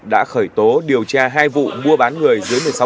đã khởi tố điều tra hai vụ mua bán người